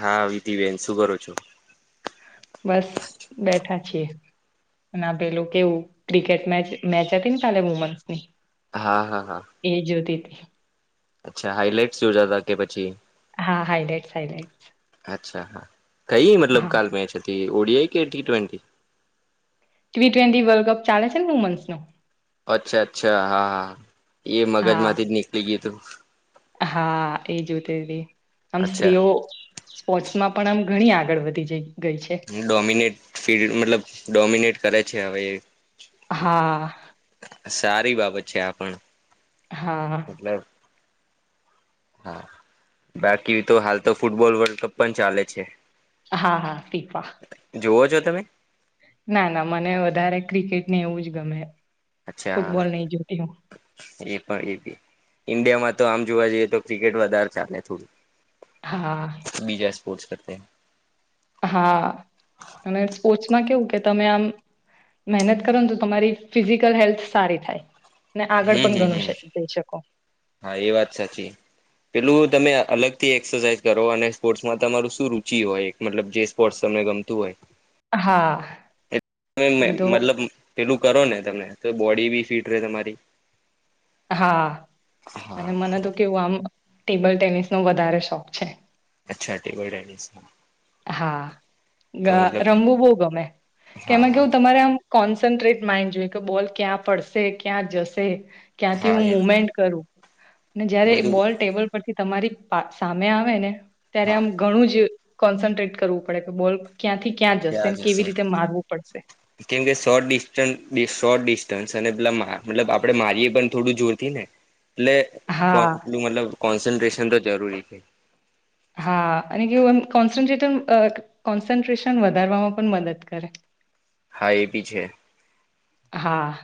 હા વીતીબેન શું કરો છો? બસ બેઠા છીએ. અને પેલું કેવું ક્રિકેટ મેચ મેચ હતી ને ચાલે વુમન્સ ની. હા હા હા. અચ્છા હાઈલાઈટસ જોતાતા કે પછી. હા હાઈલાઇટસ હાઈલાઈટસ. અચ્છા હા કઈ મતલબ કાલ મેચ હતી હતી ઓ ડિ યાઈ કે T twenty. T twenty world cup ચાલે છે ને વુમન્સ નો. અચ્છા અચ્છા હા હા એ મગજ હા માંથી જ નીકળી ગયું તું. હા એ જોતી હતી, આમ અચ્છા સ્ત્રીઓ સ્પોર્ટસ માં પણ આમ ઘણી આગળ વધી જઈ. ગઈ છે ડોમિનેટ ફી મતલબ ડોમિનેટ કરે છે હવે. હા. સારી બાબત છે આપણ. હા. હા, બાકી તો હાલ તો ફૂટબોલ વર્લ્ડ કપ પણ ચાલે છે. હા હા ફીફા. જો તમે? ના ના મને વધારે ક્રિકેટ ને એવું જ ગમે. અચ્છા ફુટબોલ નહી જોતી હું. એ ઇન્ડિયામાં તો આમ જોવા જઈએ તો ક્રિકેટ વધારે ચાલે થોડું. હા. સ્પસ કરતે. હા, અને સ્પોર્ટ્ કેવું કે તમે આમ મહેનત કરો ને તો તમારી ફિઝિકલ હેલ્થ સારી થાય. ને આગળ હમ પણ હમ ઘણું હમ, શ જઈ શકો હા એ વાત સાચી, પેલું તમે અલગ થી એક્સરસાઇઝ કરો અને સ્પોર્ટ્સમાં તમારું શું રુચિ હોય મતલબ જે સ્પોર્ટ્સ ત ગમતું હોય. હા એમ તો મતલબ પેલું કરો ને તમે. બોડી બી ફિટ ર તમારી. હા, હા અને મને તો કેવું આમ ટેબલ ટેનિસ નો વધારે શોખ છે. અચ્છા ટેબલ ટેનિસ હા. હા, રમવું બહ ગમે, હા કેમાં હા કેવું તમારે આમ કોન્સન્ટ્રેટ માઇન્ડ જોઈએ કે બોલ ક્યાં પડશે ક્યાં જશે. ક્યાંથી હા હું એ મુમેન્ટ કરું, અને જયારે બધું બોલ ટેબલ પરથી તમારી સામે આવે ને, ત્યારે હા આમ ઘણું જ કોન્સન્ટ્રેટ કરવું પડે કે બોલ ક્યાંથી ક્યાં જશે ત્યા ને જ હશે, કેવી રીતે મારવું પડશે કેમ કે શોર્ટ ડિ શોટ પ મતલબ આપડે મારીએે પણ થોડું જોરથી ને, એટલે કો હા એટલું મતલબ કોન્સન્ટ્રેશન તો જરૂરી છે. હા અને કેવું એમ કોન્સન્ટ્રેટર કોન્સન્ટ્રેશન વધારવામાં પણ મદદ કરે. હા, એ ભી છે હા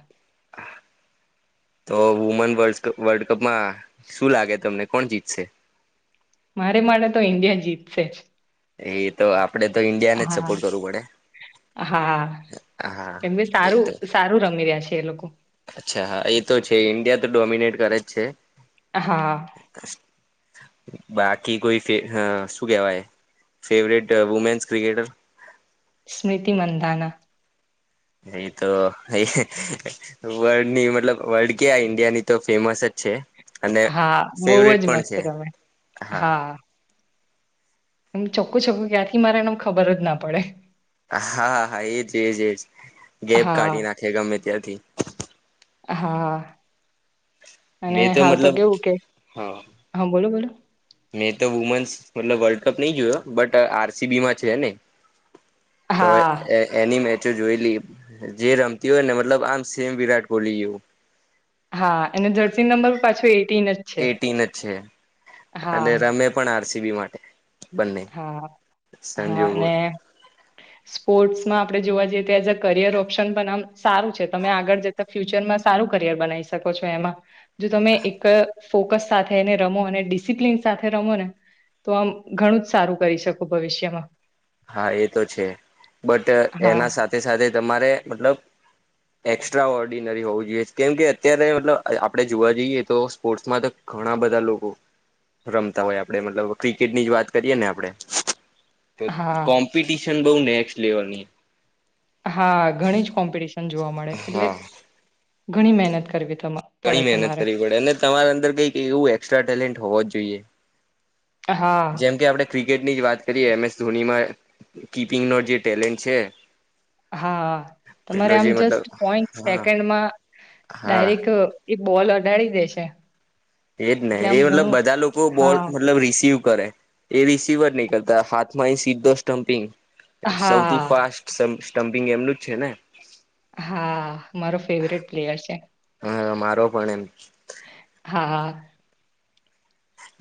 [unintelligible] તો વુમેન વ વર્લ્ડ કપમાં શું લાગે તમને કોણ જીતશે? મારે માટે તો ઇન્ડિયા જીતશે જ એ તો આપડે તો ઈન્ડિયા ને જ હા સપોર્ટ કરવું પડે હા, હા કેમ ભ એ સારું તો સારું રમી રહ્યા છે, એ લોકો અચ્છા હા એ તો છે, ઇન્ડિયા તો ડોમિનેટ કરે જ છે હા બાકી કોઈ શું કેવાય favourite women's cricketer Smriti Mandhana એ તો વર્લ્ડ ની મતલબ વર્લ્ડ ક્યાં ઇન્ડિયા ની તો ફેમસ જ છે, અને હા બહુ જ ફેવટ પણ મસ્ત છે રમે હા એમ ચો્કખું છું ક્યાંથી મારે એને ખબર જ ના પડે હા, હા એજ એજ એજ ગેપ કાઢી હા નાખે ગમે ત્યાંથી હા, અને મેં હાલ તો મતલબ કેવું કે હા હા, બોલો બોલો મેં તો વુમેન્સ મતલબ વર્લ્ડ કપ નહી જોયો બટ આરસીબી માં છે, ને તો હા એની જોઈ લે જે રમતી હોય ને મતલબ આમ સેમ વિરાટ કોહલી જેવું હા એ જર્સી નંબર પાછો એ એટીન જ છે, અને હા રમે પણ આરસીબી માટે બંને હા હા સંજોગો અને સ્પોર્ટ્સમાં આપણે જોવા જઈએ, તો એઝ અ કરિયર ઓપ્શન પણ આમ સારું છે, તમે આગળ જતા ફ્યુચરમાં સારું કરી બનાવી શકો છો, એમાં જો તમે એક ફોકસ સાથે એને રમો અને ડિસિપ્લીન સાથે રમો ને તો આમ ઘણું સારું કરી શકો ભવિષ્યમાં હા, એ તો છે, બટ હા એના સાથે સા એક્સ્ટ્રા ઓર્ડિનરી હોવું જોઈએ કેમ કે અત્યારે મતલબ આપણે જોવા જઈએ, તો સ્પોર્ટ્સમાં તો ઘણા બધા લોકો રમતા હોય આપડે મતલબ ક્રિકેટની જ વાત કરીએ ને આપણેે હા કોમ્પિટિશન બઉ નેક્સ્ટ લેવલની હા, ઘણી જ કોમ્પિટિશન જોવા મળે એટલે હા ઘણી મહેનત કરવી ત ઘણી મહેનત કરવી પડે અને તમારે અંદર કઈક એવું એક્સ્ટ્રા ટેલેન્ટ હોવ જ જોઈએ, હા જેમ કે આપડે ક્ર ક્રિકેટની વાત કરીએ, એમ એસ ધોનીમાં કીપિંગ ન જે ટેલેન્ટ છે, હા, તમારે પેલો આમ જે જસ્ટ મતલબ પોઈન્ટ હા સેકન્ડમાં હા ડાયરેક્ટ એ બોલ અઢડી દેશે એજ ને એ મતલબ બધા લોકો બોલ હા મતલબ રિસીવ કરે એ રિસિવર નહી કરતા હાથમાં સીધો સ્ટમ્પિંગ સૌથી હા ફાસ્ટ સ્ટમ્પિંગ એમનું જ છે, ને હા, મારો ફેવરેટ પ્લેયર છે મારો પણ એમ હા હા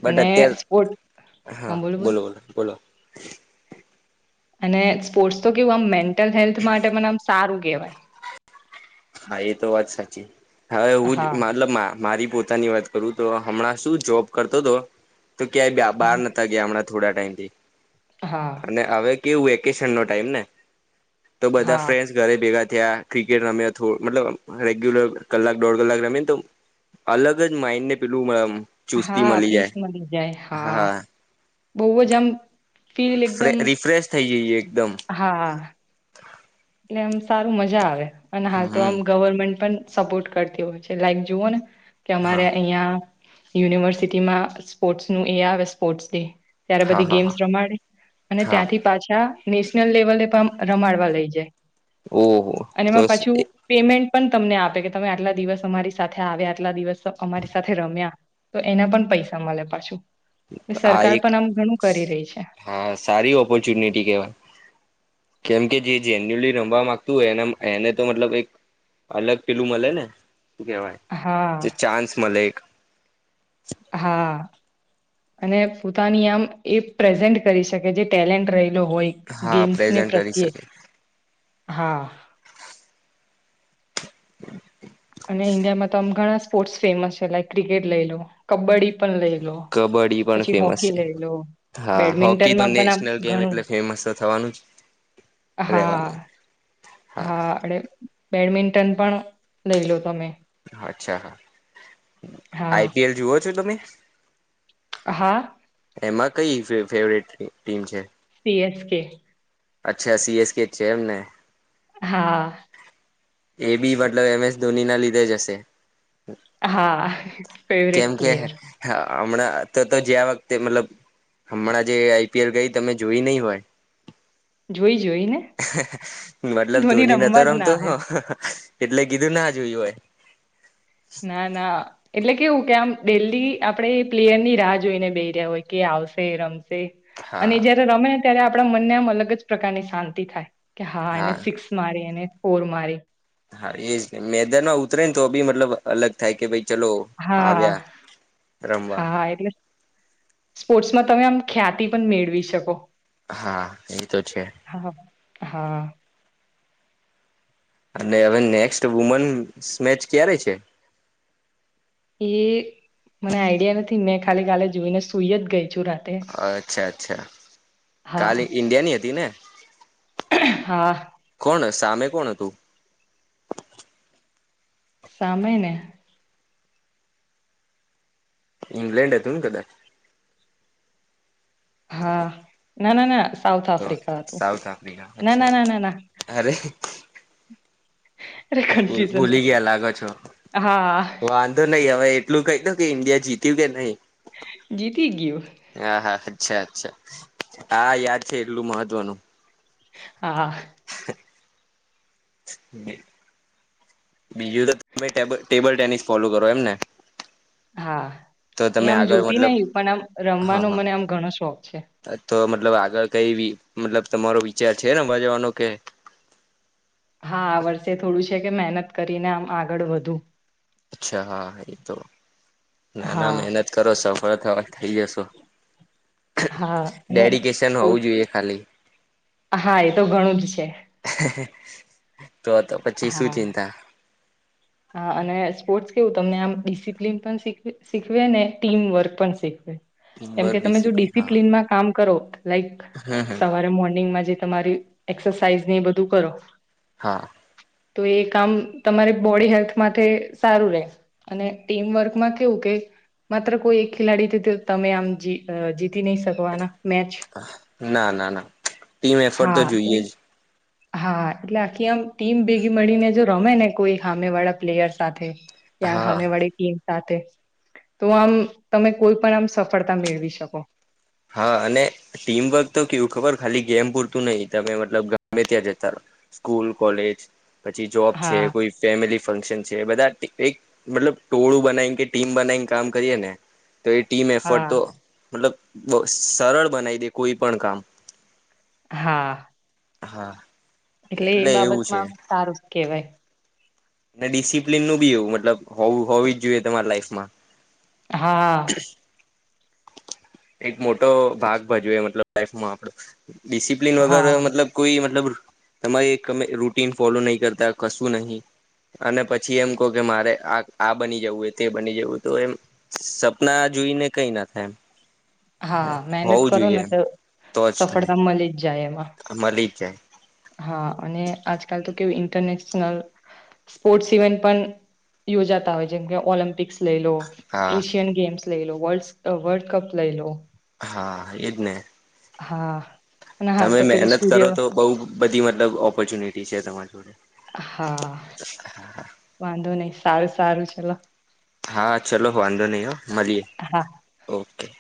બટ અત્યાર હા, બોલો બોલો બોલો અને સ્પોર્ટ્સ તો કેવું આમ મેન્ટલ હેલ્થ માટે મને આમ સારું કહેવાય. હા, એ તો વાત સાચી હવે હું જ હા મતલબ મારી પોતાની વાત કરું તો હમણાં શું જોબ કરતો હતો, તો ક્યાંય બહાર હા નતા ગયા હમણાં થોડા ટાઈમથી હા અને હવે કેવું વેકેશન નો ટાઈમ ને તો બધા હા ફ્રેન્ડ્સ ઘરે ભેગા થયા ક્રિકેટ રમ્યા, મતલબ રેગ્યુલર કલાક દોઢ કલાક રમીને તો અલગ જ માઇન્ડને પેલું ચુસ્તી હા મળી પીસ જાય મલી જાય હા બોવ જ આમ ફીલ એકદમ રિફ્રેશ થઈ જઈએ એકદમ હા એટલે આમ સારુ મજા હમ સપોર્ટ કરતી હોય છે, લાઈક જુઓ ને કે હા અમારે અહિયાં યુનિવર્સિટીમાં સ્પોર્ટ્સનુ એ આવે સ્પોર્ટ્સ ડે ત્યારે હા બધી હા ગેમ્સ હા રમાડે અને હા ત્યાંથી પાછા નેશનલ લેવલે પણ રમાડવા લઈ જાય ઓહો અને તો એમાં પાછું પેમેન્ટ પણ તમને આપે કે તમે આટલા દિ તો એના પણ પૈસા મલે પાછું એટલે આ સરકાર પણ આમ ઘણું કરી રહી છે એ કેમ કે જી જેન્યુલી રમવા માંગતું હોય એને એને તો મતલબ એક અલગ પેલુ મલે ને શુ કેવાય હા ચાન્સ મલે એક હા. અને પોતાની આમ એ પ્રેઝન્ટ કરી શકે જે ટેલેન્ટ નોવો હા પ્રેઝન્ટ કરી શકે [unintelligible] અને ઇન્ડિયામાં તો આમ ઘણા સ્પોર્ટ્સ છે, લાઈક કીકેટ લઈલો કબડ્ડી પણ લઈ લો કબડ્ડી પણ પછી ફેમસ હોકી છે લઈ લો હા હોકી તો બેડમિન્ટનમાં પણ આમ નેશનલ ગેમ ઘણું એટલે ફેમસ તો થવાનું જ રહેવાનું હા. હા અને બેડમિન્ટન પણ લઈ લો તમે અચ્છા હા હા આઈપીએલ જુઓ છો તમે હા એમાં કઈ ફેવ ફેવરેટ ટીમ છે. સી એસ કે અચ્છા સીએસ કે છે, એમને હા. એ બી મતલબ એમ એસ ધોની ના લીધે જ હશે હા ફેવરેટ કેમ કે પ્લેયર હમણાં તો તો જે વખ જે મતલબ હમણાં જે આઈ પી એલ ગઈ તમે જોઈ નહીં હોય જોઈ. જોઈ ને મતલબ ધોની નતો રમવા જ ના રમતો આવ્યો એટલે કીધું ના જોયું હોય. ના ના એટલે કેવું કે આમ ડેલી આપડે એ પ્લેયર ની રાહ જોઈને બેહી રહ્યા હોય કે આવશે રમ સે અને હા જયારે રમે ત્યારે આપણા મનને આમ અલગ જ પ્રકારની શાંતિ થાય હા એને સિક્સ મારી એને ફોર મારી હા એજ મેદાન માં ઉતરે ને તો બી મતલબ અલગ થાય કે ભય હા હા રમવા. હા હા એટલે સ્પોર્ટ્સમાં તમે આમ ખ્યાતિ પણ મેળવી શકો હા એ તો છે. હા હા. અને હવે નેક્સ્ટ વુમેન મેચ ક્યારે છે. એ મને આઈડિયા નથી મેં ખાલી કાલે જોઈને સુઈ જ ગઈ છું રાતે અચ્છા અચ્છા હા કાલે ઈન્ડિયાની હતી ને?? હા. કોણ સામે કોણ હતું. સામે ને ઇંગ્લેન્ડ હતું ને કદાચ હા ના ના ના સાઉથ તો આફ્રિકા હતું સાઉથ આફ્રિકા ના ના અચ્છા. ના ના ના અરે અરે કન્ફ્યુઝન ભૂલી ગયા લાગો છો હા વાંધો નહી હવે એટલુ કાઈ દો ઇન્ડિયા જીત્યું કે નહીં જીતી ગયું. હા અચ્છા અચ્છા આ યાદ છે એટલું મહત્વનું હા [unintelligible] બીજું તો તમે ટેબલ ટેનિસ ફોલો કરો એમ ને હા તો એ તમે આમ આગળ જોતી મતલબ નહિ પણ આમ હા રમવાનો મને આમ ઘણો શોખ છે. હા તો મતલબ આગળ કઈ મતલબ તમારો વિચાર છે ને રમવા જવાનો કે-' હા આ વર્ષે થોડું છે કે મહેનત કરીને આમ આગળ વધુ અચ્છા હા એ તો નાના હા મહેનત કરો સફળ થવાય થઈ જશો હા અને ડેડિકેશન સ્પોર્ટ હોવું જોઈએ ખાલી હા એતો ઘણું જ છે. તો તો પછી શું હા ચિંતા સ્પોર્ટ કેવું તમને આમ ડિસિપ્લીન પણ શીખવે ને ટીમવર્ક પણ શીખવે કેમ ટીમવર્ક કે તમે જો ડિસિપ્લિન હા ડિસિપ્લનમાં કામ કરો લાઈક સવારે મોર્નિંગમાં જે તમારી એક્સરસાઇઝ ને બધું કરો હા તો એ કામ તમારી બોડી હેલ્થ માટે સારું રહેે અને ટીમવર્કમાં કેવું કે માત્ર કોઈ એક ખેલાડી તમે આમ જીતી નહી શકવાના મેચ ના ના ના ટીમ એફર્ટ તો હા જોઈએ જ હા એટલે આખી આમ ટીમ ભેગી મળીને જો રમે ને કોઈ હામે વાળા પ્લેયર સાથે યાર હા હામે વાડી ટીમ સાથે તો આમ તમે કોઈ પણ આમ સફળતા મેળવી શકો હા અને ટીમવર્ક તો કેવું ખબર ખાલી ગેમ પૂરતું નહિ તમે મતલબ ગમે ત્યાં જતા રહો. સ્કૂલ કોલેજ પછી જોબ છે હા કોઈ ફેમિલી ફંક્શન છે બધા એક મતલબ ટોળું બનાવીને કે ટીમ બનાવીને કામ કરીએ ને તો એ ટીમ એફર્ટ હા તો મતલબ સરળ બનાવી દે કોઈ પણ કામ હા હા એટલે એ એવું છે બાબતમાં સારું જ કેહેવાય અને ડિસિપ્લિન નું બી એવું મતલબ હોવું હોવી જ જોઈએ તમારી લાઈફમાં હા હા એક મોટો ભાગ ભજવે મતલબ લાઈફમાં આપડો ડિસિપ્લિન વગર હા મતલબ કોઈ મતલબ તમારીમે રૂટીન ફોલો નહી કરતા કશું નહીિ અને પછી એમ કહ કે મારે આ આ બની જવું તે બની જવું તો એમ સપના જોઈને કઈ ના થાય એમ હા મહેનત હોવું કરો જોઈએ ને એમ તો તો જ થાય સફળતા મળી જાય એમાં [inaudible] હા અને આજકાલ તો કેવું ઇન્ટરનેશનલ સ્પોર્ટ્સ ઇવેન્ટ પણ યોજાતા હોય જેમ કે ઓલિમ્પિક્સ લઈ લો હા એશિયન ગેમ્સ લઈ લો વલ્ વર્લ્ડ કપ લઈ લો હા એજ ને હા અને હાલ તમે તો પેલો મહેનત સૂર્ય કરો તો બહુ બધી મતલબ ઓપોર્ચ્યુનિટી છે તમારી જોડે [inaudible] હા વાંધો નહી સારું સારું ચલો હા ચલો વાંધો નહી હો મળીએ હા ઓકે [inaudible]